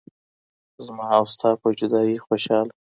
زما او ستا په جدايۍ خوشحاله